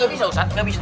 itu tanggung jawab saya